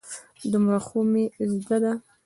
دومره خو مې زده ده.